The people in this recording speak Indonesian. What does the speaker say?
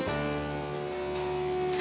kenapa harus memilih profesi jadi guru